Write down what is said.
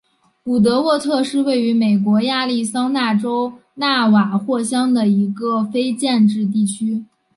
古德沃特是位于美国亚利桑那州纳瓦霍县的一个非建制地区。